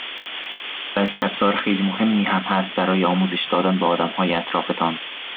بلکه ابزار خیلی مهمی هم است برای آموزش دادن به آدمهای اطرافتان